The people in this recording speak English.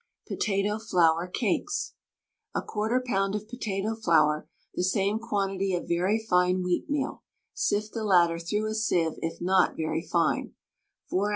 POTATO FLOUR CAKES. A 1/4 lb. of potato flour, the same quantity of very fine wheatmeal (sift the latter through a sieve if not very fine), 4 oz.